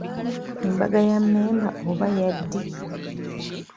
Embaga ya mmemba oba ya ddi?